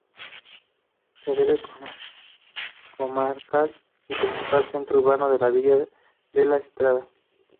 La sede comarcal y principal centro urbano es la villa de La Estrada.